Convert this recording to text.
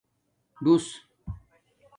ڈݸس